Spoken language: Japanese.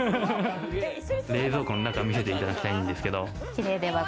冷蔵庫の中、見せていただきたいんですけど。